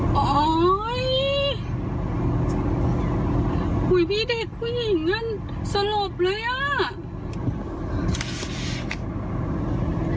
โอ้โหพี่เด็กผู้หญิงนั่นสลบเลยอ่ะ